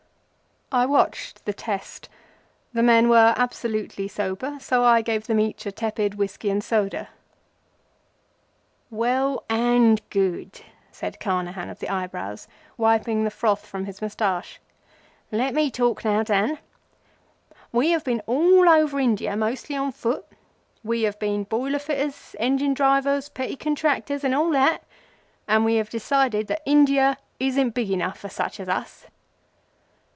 I watched the test. The men were absolutely sober, so I gave them each a tepid peg. "Well and good," said Carnehan of the eyebrows, wiping the froth from his mustache. "Let me talk now, Dan. We have been all over India, mostly on foot. We have been boiler fitters, engine drivers, petty contractors, and all that, and we have decided that India isn't big enough for such as us."